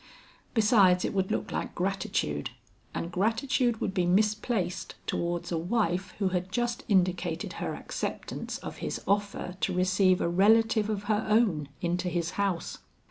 Besides it would look like gratitude, and gratitude would be misplaced towards a wife who had just indicated her acceptance of his offer to receive a relative of her own into his house.